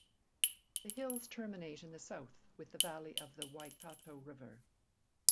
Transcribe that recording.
The hills terminate in the south with the valley of the Waikato River.